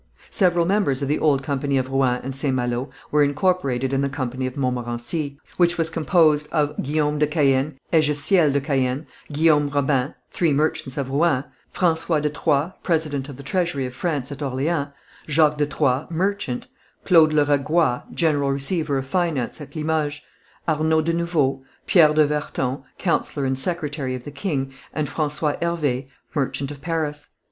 Several members of the old Company of Rouen and St. Malo were incorporated in the Company of Montmorency, which was composed of Guillaume de Caën, Ezechiel de Caën, Guillaume Robin, three merchants of Rouen; François de Troyes, president of the treasury of France at Orleans; Jacques de Troyes, merchant; Claude Le Ragois, general receiver of finance at Limoges; Arnould de Nouveau, Pierre de Verton, councillor and secretary of the king, and François Hervé, merchant of Paris.